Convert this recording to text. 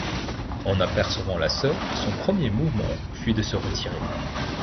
En apercevant la sœur, son premier mouvement fut de se retirer.